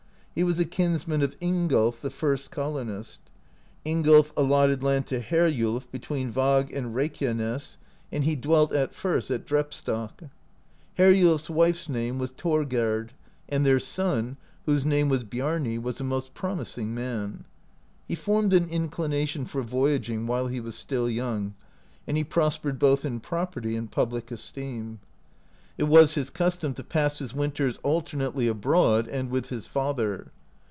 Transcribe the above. He was a kinsman of Ingolf, the first colonist. Ingolf allotted land to Heriulf between Vag and Reykianess, and he 76 BIARNI RESOLVES TO VISIT GREENLAND dwelt at first at Drepstok, Heriulfs wife's name was Thorgerd, and their son, whose name was Biarni, was a most promising man. He formed an inclination for voy aging while he was still young, and he prospered both in property and public esteem. It was his custom to pass his winters alternately abroad and with his father.